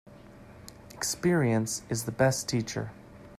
Experience is the best teacher.